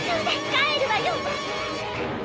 帰るわよ！